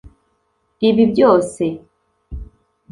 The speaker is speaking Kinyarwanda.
Ibi byose